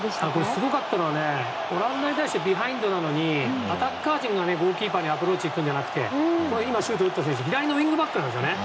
すごかったのはオランダに対してビハインドなのにアタッカー陣がゴールキーパーにアプローチに行くんじゃなくて今、シュートを打った選手は左のウィングバックなんですね。